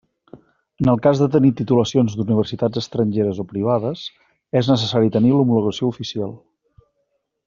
En el cas de tenir titulacions d'Universitats estrangeres o privades és necessari tenir l'homologació oficial.